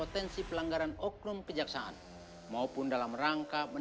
terima kasih pak